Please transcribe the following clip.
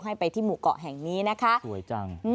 ให้ไปที่หมู่เกาะแห่งนี้นะคะสวยจัง